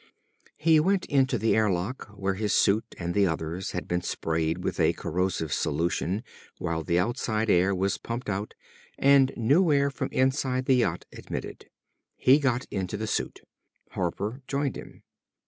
He went into the airlock, where his suit and the others had been sprayed with a corrosive solution while the outside air was pumped out and new air from inside the yacht admitted. He got into the suit. Harper joined him.